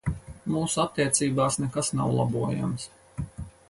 Mūsu attiecībās nekas nav labojams.